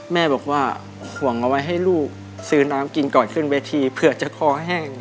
แม่บอกว่าห่วงเอาไว้ให้ลูกซื้อน้ำกินก่อนขึ้นเวทีเผื่อจะคอแห้ง